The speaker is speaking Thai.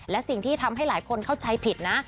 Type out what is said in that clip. และสิ่งที่ทำให้หลายคนเข้าใจผิดนะ